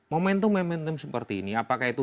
momentum momentum seperti ini apakah itu